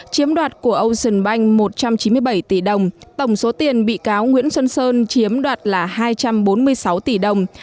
chiếm đoạt của ocean bank một trăm chín mươi bảy tỷ đồng tổng số tiền bị cáo nguyễn xuân sơn chiếm đoạt là hai trăm bốn mươi sáu tỷ đồng